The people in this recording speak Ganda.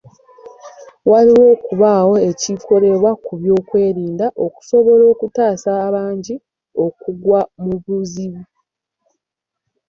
Walina okubaawo ekikolebwa ku lw'ebyokwerinda okusobola okutaasa abangi okugwa mu buzibu.